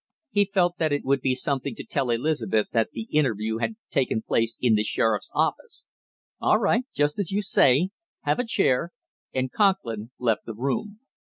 He felt that it would be something to tell Elizabeth that the interview had taken place in the sheriff's office. "All right, just as you say; have a chair." And Conklin left the room.